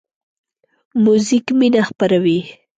موزیک مینه خپروي.